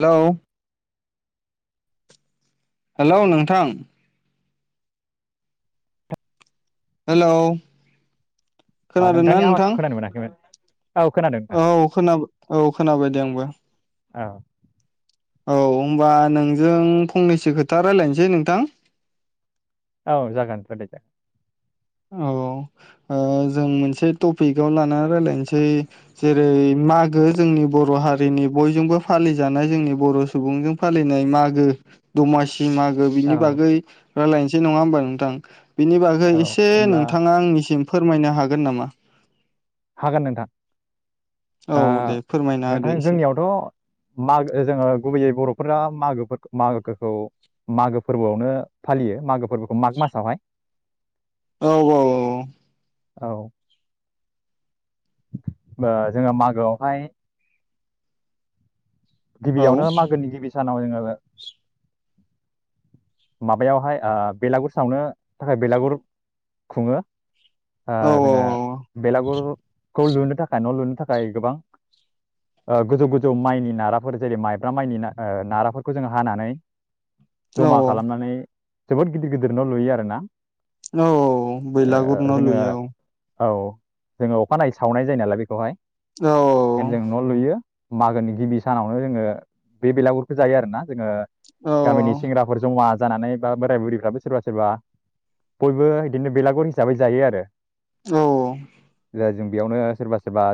Hello hello नोंथां hello अ खोनादोंना नोंथांनि नोंथां आवाजखौ खोनानो मोनाखैमोन औ खोनादों नोंथां औ खोनाबाय औ खोनाबाय दे आंबो। औ औ होनबा नोंजों फंनैसो खोथा रायजलायनोसै नोंथां। औ जागोन रायलायजागोन। औ ओ जों मोनसे टपिकआव लानानै रायज्लायनोसै जेरै मागो जोंनि बर' हारिनि बयजोंबो फालिजानाय जोंनि बर' सुबुंजों फालिनाय मागो दमासि मागो बिनि जागोन बागै रायज्लायनोसै नङा होमबा नोंथां। बिनि बागै औ इसे होमब्ला नोंथाङा आंनि सिम फोरमायनो हागोन नामा? हागोन नोंथां। औ ओ दे फोरमायना नोंथां होदो एसे जोंनियावथ मागो जोङो गुबैयै बर फुराफोर मागो मागोखौ मागो फोरबोआवनो फालियो मागो फोरबोखौ माग मासावहाय। औ औ औ। औ। ओ जोङो मागोआवहाय औ गिबियावनो मागोनि गिबि सानाव [unintelligible] माबायावहाय ओ बेलागुर सावनो थाखाय बेलागुर खुङो। औ ओङ जोङो बेलागुर खौ लुनो थाखाय न लुनो थाखाय गोबां ओ गोजौ गोजौ माइनि नाराफोर जेरै माइब्रा माइनि ओ नाराफोरखौ जोङो हानानै औ जमा औ खालामनानै जोबोद गिदिर गिदिर नलुयो आरोना औ औ बैलागुर ओ न जोङो लुयो औ औ जोङो अखानायै सावनाय जायो नालाय बेखौहाय औ जेन जों न लुयो। मागोनि गिबि सानावनो जोङो बे बेलागुरखौ जायो आरोना जोङो औ गामिनि सेंग्रा मुवा जानानै बा बोराय बुरिफ्राबो सोरबा सोरबा बयबो बिदिनो बेलागुर हिसाबै जायो आरो औ औ जा जों बेयावनो सोरबा सोरबा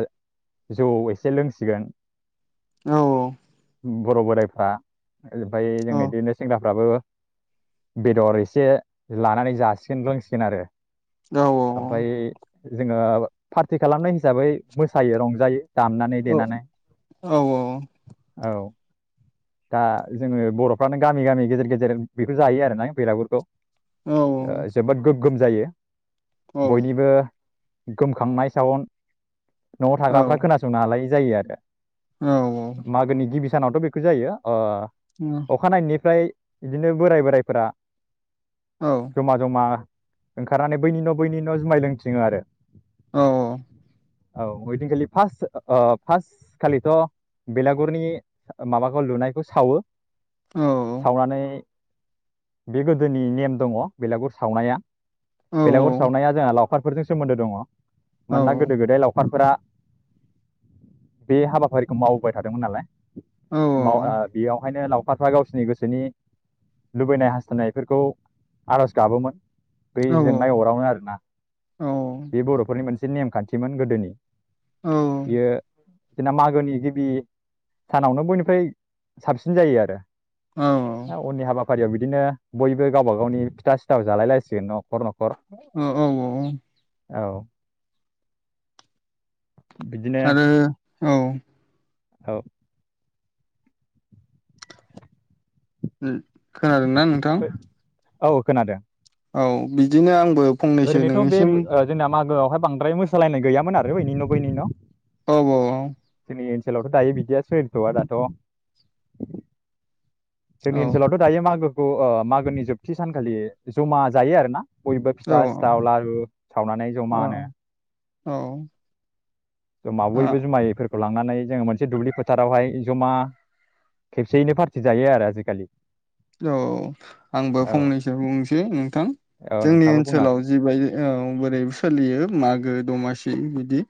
जौ एसे लोंसिगोन। औ औ। बर बोराइफ्रा। [unintelligible] औ फोराबो बेदर एसे लानानै जासिगोन लोंसिगोन आरो औ औ ओमफ्राय जोङो पार्टि खालामनाय हिसाबै मोसायो रंजायो दामनानै औ देनानै औ औ दा जोङो बरफ्रानो गामि गामि गेजेर गेजेर बेखौ जायो आरोना बेलागुरखौ जोबोद गोग्गोम जायो बयनिबो गोमखांनाय सावन न'आव थाग्राफ्रा खोनासंनो हालायै जायो आरो औ औ सिगांआवथ' बे फु जायो ओ अखानायनायनिफ्राय बिदिनो बोराय बोरायफोरा औ जमा जमा ओंखारनानै बैनि न' बैनि न' जुमाय लोंथिङो आरो औ औ औ ओइदिनखालि फास्ट ओ फास्ट खालिथ' बेलागुरनि माबाखौ लुनायखौ सावो सावनानै बे गोदोनि नेम दङ बेलागुर सावनाया बेलागुर सावनाया जोंहा लाव खारफोरजों सोमोन्दो दङ। मानोना गोदो गोदाय लावखारफोरा बे हाबाफारिखौ मावबोबाय थादोंमोन नालाय माव ओ बेयावहायनो लाव खारफ्रा गावसोरनि गोसोनि लुबैनाय हास्थायनायफोरखौ आरज गाबोमोन बै जोंनाय अरावनो आरोना बे बर'फोरनि मोनसे एसे नेमखान्थिमोन गोदोनि इयो [unintelligible] मागोनि गिबि सानावनो बयनिफ्राय साबसिन जायो आरो उननि हाबा फारियाव बिदिनो बयबो गावबा गावनि फिथा सिथाव जालायलायसिगोन न' ओ औ औ औ बिदिनो आरो औ। औ ओम खोनादोंना नोंथां? औ खोनादों। औ बिदिनो आं बो फंनैसो नोंनिसिम गोआवहाय बांद्राय मोसालायनाय गैयामोन आरो बैनि न' बैनि न'। औ औ सोलावथ' दायो बिदिया सोलिथ'आ दाथ' जोंनि औ ओनसोलावथ' दायो मागो ओ आ मागोनि जोबथि सानखालि ज'मा जायो आरोना। बयबो औ फिथा औ सिथाव, लारु सावनानै औ ज'मा नो। औ ओ, मावैबो जुमायफोर लांनानै जोङो मोनसे दुब्लि फोथारावहाय ज'मा खेबसेयैनो फार्थि जायो आरो आजिकालि। औ आंबो औ फंनैसो बुंनोसै नोंथां। औ जोंनि नोंथाङाबो बुंनो ओनसोलाव हागोन जिबायदि औ बोरै सोलियो माग गो द'मासि बिदि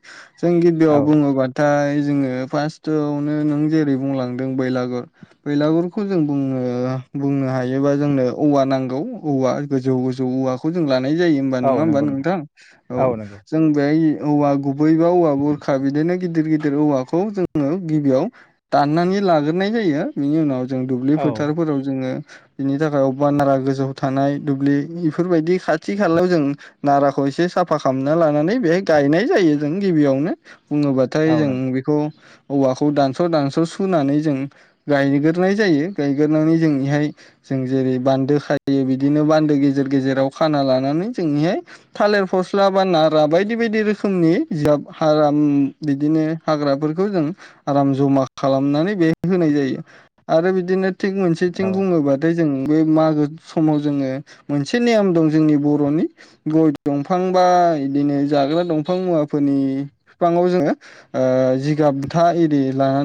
जों औ गिबियाव बुङोबाथाय जोङो फास्टोआवनो नों जेरै बुंलांदों बैलागुर बैलागुरखौ जों बुङो बुंनो हायोबा जोंनो औवा नांगौ औवा गोजौ गोजौ औवाखौ जों ला नाय जायो ओमबा औ नङा ओमबा नंगौ नोंथां, औ जों बेहाय औवा गुबै बा औवा बुरखा बिदिनो गिदिर गिदिर औवाखौ जोङो गिबियाव दाननानै लाग्रोनाय जायो बेनि उनाव जों दुब्लि औ फोथारफोराव ङो बिनि थाखाय अबबा नारा गोजौआव थानाय दुब्लि इफोरबायदि खाथि खालायाव जों नाराखौ इसे साफा खालामना लानानै बेहाय गायनाय जायो जों गिबियावनो। औ बुङोबाथाय जों नंगौ बेखौ औवाखौ दानस' दानस' सुनानै जों गायगोरनाय जायो गायगोरनानै जों निहाय जों जेरै बान्दो खायो बिदिनो बान्दो गेजेर गेजेराव खाना लानानै जोंनि थालिर फस्ला बा नारा बायदि बायदि रोखोमनि जिगाब हाग्रा ओम बिदिनो हाग्राफोरखौ जों आराम ज'मा खालामनानै बेयाय होनाय जायो आरो बिदिनो थिग मोनसे थिं औ बुङोबाथाय जों बे मागो समाव जोङो मोनसे नेम दं जोंनि बर'नि गय दंफां बा इदिनो जाग्रा दंफां मुवाफोरनि फिफाङाव जोङो ओ जिगाब बुथा एरि लानानै